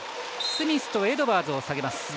スミスとエドワーズを下げます。